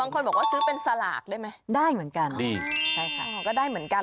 คนบอกว่าซื้อเป็นสลากได้ไหมได้เหมือนกันดีใช่ค่ะก็ได้เหมือนกัน